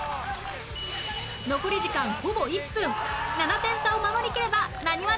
残り時間ほぼ１分７点差を守り切ればなにわ男子勝利！